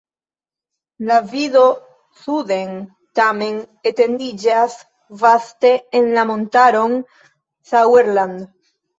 La vido suden tamen etendiĝas vaste en la montaron Sauerland.